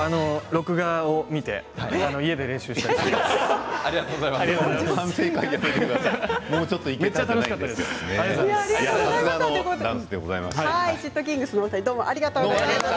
録画を見て家で練習をしたいと思います。